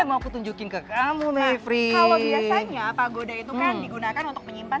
mau ketunjukin ke kamu maifri kalau biasanya pagoda itu kan digunakan untuk menyimpan